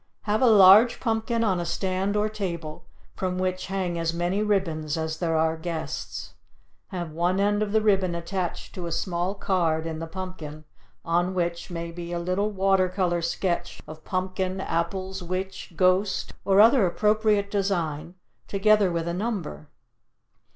Have a large pumpkin on a stand or table from which hang as many ribbons as there are guests. Have one end of the ribbon attached to a small card in the pumpkin on which may be a little water color sketch of pumpkin, apples, witch, ghost or other appropriate design together with a number.